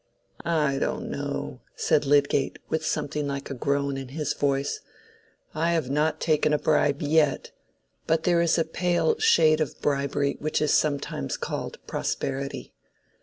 "I don't know," said Lydgate, with something like a groan in his voice. "I have not taken a bribe yet. But there is a pale shade of bribery which is sometimes called prosperity.